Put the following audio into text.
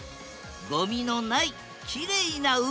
ごみのないきれいな海。